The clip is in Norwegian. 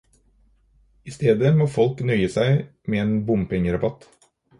I stedet må folk nøye seg med en bompenge-rabatt.